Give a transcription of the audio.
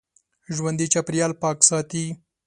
ژوندي چاپېریال پاک ساتي